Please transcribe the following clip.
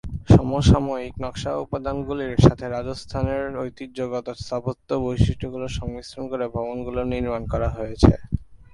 সমসাময়িক নকশা উপাদানগুলির সাথে রাজস্থানের ঐতিহ্যগত স্থাপত্য বৈশিষ্ট্যগুলির সংমিশ্রণ করে ভবনগুলি নির্মাণ করা হয়েছে।